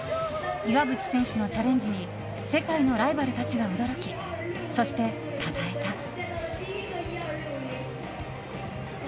岩渕選手のチャレンジに世界のライバルたちが驚きそして、たたえた。